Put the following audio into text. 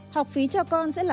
học phí cho con sẽ tăng hơn